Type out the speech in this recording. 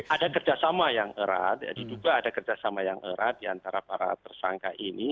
ada kerjasama yang erat diduga ada kerjasama yang erat diantara para tersangka ini